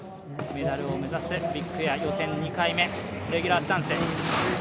メダルを目指すビッグエア予選２回目レギュラースタンス。